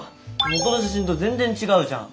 元の写真と全然違うじゃん。